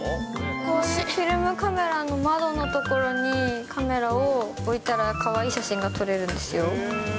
こういうフィルムカメラの窓の所にカメラを置いたら、かわいい写真が撮れるんですよ。